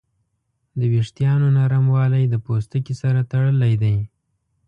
د وېښتیانو نرموالی د پوستکي سره تړلی دی.